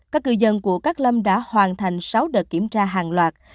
các cư dân của cát lâm đã hoàn thành sáu đợt kiểm tra hàng loạt